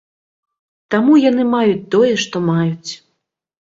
Таму яны маюць тое, што маюць.